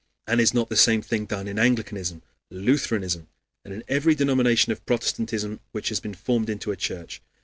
And is not the same thing done in Anglicanism, Lutheranism, and every denomination of Protestantism which has been formed into a church?